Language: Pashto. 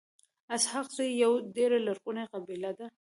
اسحق زی يوه ډيره لرغوني قبیله ده.